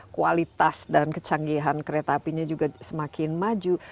kualitas dan kecanggihan kereta apinya juga semakin maju